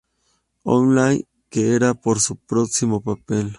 Online que era por su próximo papel.